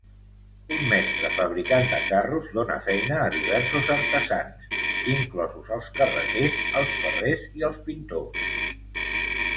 Un mestre fabricant de carros dona feina a diversos artesans, inclosos els carreters, els ferrers i els pintors.